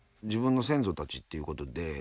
自分の先祖たちっていうことで。